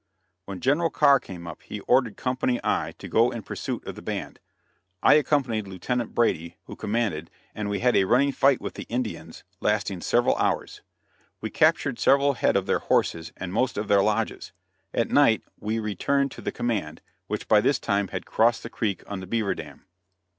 When General Carr came up, he ordered Company I to go in pursuit of the band. I accompanied Lieutenant Brady, who commanded, and we had a running fight with the Indians, lasting several hours. We captured several head of their horses and most of their lodges. At night we returned to the command, which by this time had crossed the creek on the beaver dam.